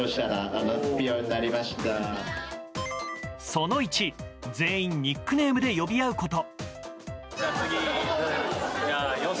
その１、全員ニックネームで呼び合うこと。